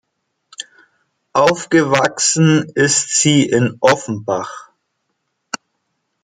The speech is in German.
Aufgewachsen ist sie in Offenbach.